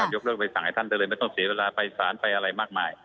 ยกเลิกไปสั่งให้ท่านได้เลยไม่ต้องเสียเวลาไปสารไปอะไรมากมาย